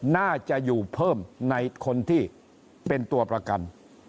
น่าจะอยู่เพิ่มในคนที่เป็นตัวประกัน